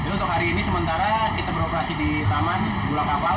untuk hari ini sementara kita beroperasi di taman gula kapal